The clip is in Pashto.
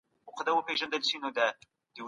د ورور مال په ناحقه مه اخلئ.